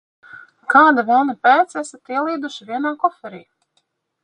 Kāda velna pēc esat ielīduši vienā koferī?